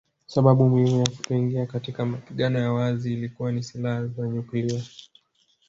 Sababu muhimu ya kutoingia katika mapigano ya wazi ilikuwa ni silaha za nyuklia